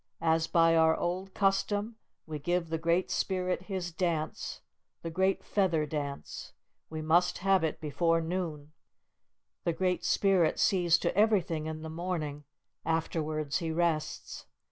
As by our old custom, we give the Great Spirit His dance, the Great Feather Dance. We must have it before noon. The Great Spirit sees to everything in the morning, afterwards he rests.